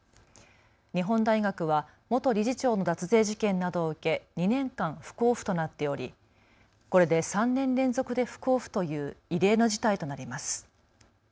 日本大学は元理事長の脱税事件などを受け２年間、不交付となっておりこれで３年連続で不交付という異例の事態となります。